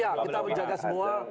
kita menjaga semua